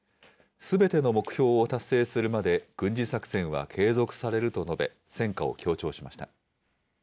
すべての目標を達成するまで軍事作戦は継続されると述べ、戦果を強調しました。